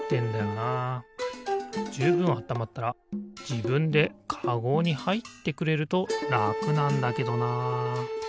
じゅうぶんあったまったらじぶんでかごにはいってくれるとらくなんだけどな。